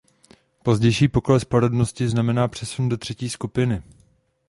Pozdější pokles porodnosti znamená přesun do třetí skupiny.